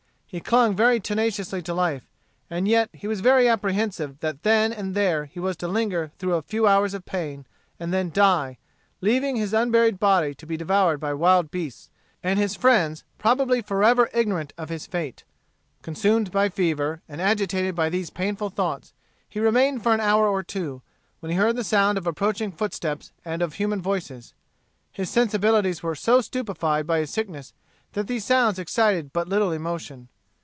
He clung very tenaciously to life, and yet he was very apprehensive that then and there he was to linger through a few hours of pain, and then die, leaving his unburied body to be devoured by wild beasts, and his friends probably forever ignorant of his fate. Consumed by fever, and agitated by these painful thoughts, he remained for an hour or two, when he heard the sound of approaching footsteps and of human voices. His sensibilities were so stupefied by his sickness that these sounds excited but little emotion.